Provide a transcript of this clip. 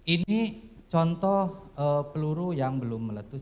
ini contoh peluru yang belum meletus